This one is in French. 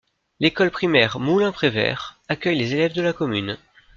L'école primaire Moulin-Prévert accueille les élèves de la commune.